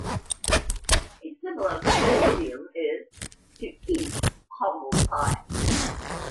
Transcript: A similar British idiom is "to eat humble pie".